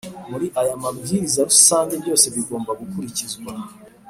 muri aya mabwiriza rusange byose bigomba gukurikizwa